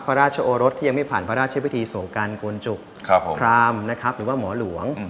พระราชโอรสที่ยังไม่ผ่านพระราชเชฟพิธีโสกัลกรณจุกพราหมณ์หรือว่าหมอหลวง